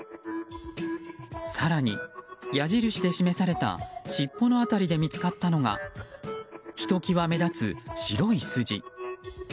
更に、矢印で示された尻尾の辺りで見つかったのがひと際目立つ白い筋。